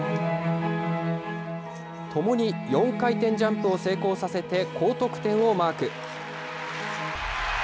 ともに４回転ジャンプを成功させて、高得点をマーク。